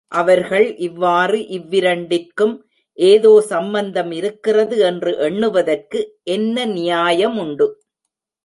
அவர்கள், இவ்வாறு இவ்விரண்டிற்கும் ஏதோ சம்பந்தமிருக்கிறது என்று எண்ணுவதற்கு என்ன நியாயமுண்டு?